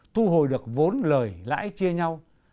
thu hồi được vốn lời lãi chia nhau